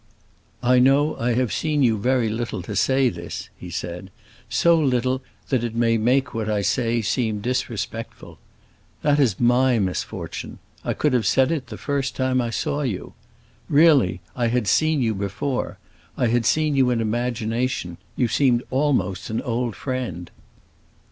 "I know I have seen you very little to say this," he said, "so little that it may make what I say seem disrespectful. That is my misfortune! I could have said it the first time I saw you. Really, I had seen you before; I had seen you in imagination; you seemed almost an old friend.